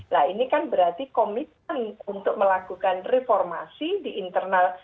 nah ini kan berarti komitmen untuk melakukan reformasi di internal